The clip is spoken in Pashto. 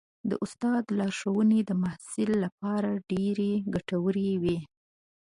د استاد لارښوونې د محصل لپاره ډېرې ګټورې وي.